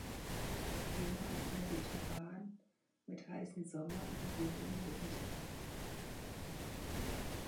Das Klima ist mediterran, mit heißen Sommern und milden Wintern.